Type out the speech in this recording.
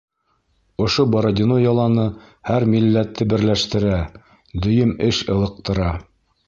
Ошо Бородино яланы һәр милләтте берләштерә, дөйөм эш ылыҡтыра.